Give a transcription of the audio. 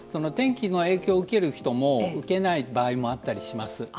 天気の影響を受ける人も受けない場合もあったりします。